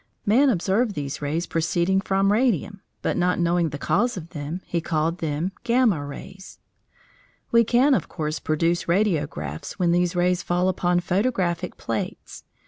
Man observed these rays proceeding from radium, but, not knowing the cause of them, he called them gamma rays. We can, of course, produce radiographs when these rays fall upon photographic plates.